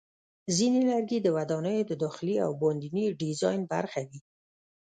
ځینې لرګي د ودانیو د داخلي او باندني ډیزاین برخه وي.